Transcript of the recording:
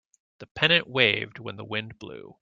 The pennant waved when the wind blew.